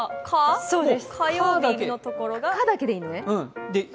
火だけでいいのね。